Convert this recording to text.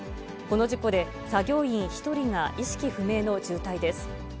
この事故で、作業員１人が意識不明の重体です。